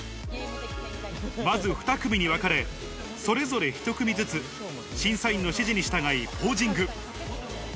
まず２組に分かれ、それぞれ１組ずつ、審査員の指示に従いポージング。